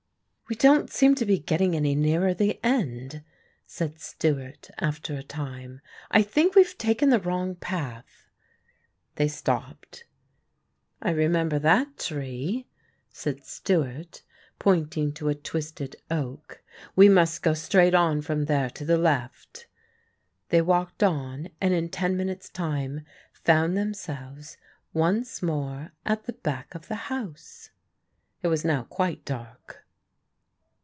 "We don't seem to be getting any nearer the end," said Stewart after a time. "I think we've taken the wrong path." They stopped. "I remember that tree," said Stewart, pointing to a twisted oak; "we must go straight on from there to the left." They walked on and in ten minutes' time found themselves once more at the back of the house. It was now quite dark.